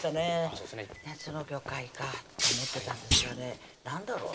そうですね「夏の魚介か」と思ってたんですがなんだろう